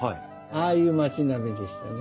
ああいう街並みでしたね。